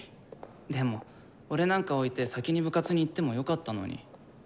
でも俺なんか置いて先に部活に行ってもよかったのに。